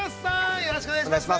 よろしくお願いします。